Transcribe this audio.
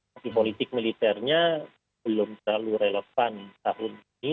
tapi politik militernya belum terlalu relevan tahun ini